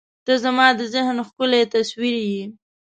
• ته زما د ذهن ښکلی تصویر یې.